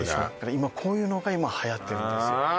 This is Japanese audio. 今こういうのがはやってるんですあ